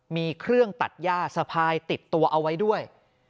มีเครื่องตัดย่าสะพายติดตัวเอาไว้ด้วย